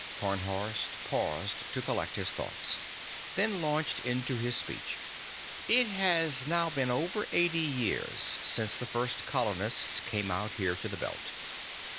Tarnhorst paused to collect his thoughts, then launched into his speech. "It has now been over eighty years since the first colonists came out here to the Belt.